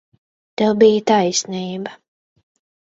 Tev bija taisnība.